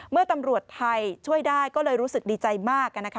เมื่อตำรวจไทยช่วยได้ก็เลยรู้สึกดีใจมากนะคะ